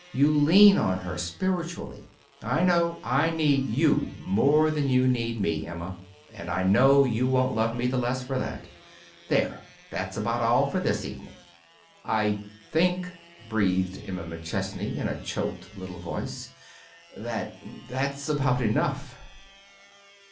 You lean on her, spiritually. I know I need you more than you need me, Emma. And I know you won't love me the less for that. There that's about all for this evening." "I think," breathed Emma McChesney in a choked little voice, "that that's about enough."